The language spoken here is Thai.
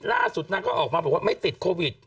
ล่าสุดนางก็ออกมาไม่ติดโควิด